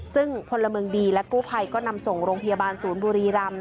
ซึ่งพลเมืองดีและกู้ภัยก็นำส่งโรงพยาบาลศูนย์บุรีรำ